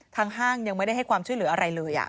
ห้างยังไม่ได้ให้ความช่วยเหลืออะไรเลย